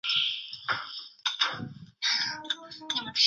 哈定为位在美国堪萨斯州波旁县的非建制地区。